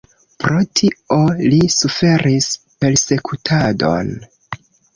Pro tio li suferis persekutadon.